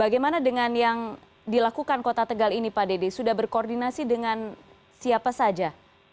bagaimana dengan yang dilakukan kota tegal ini pak dede sudah berkoordinasi dengan siapa saja